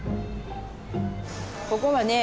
ここはね